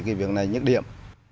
thì cái việc này nhức điểm